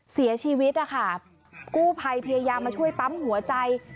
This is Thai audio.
เสียชีวิตนะคะกู้ภัยพยายามมาช่วยปั๊มหัวใจ